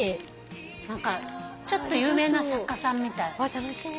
何かちょっと有名な作家さんみたい。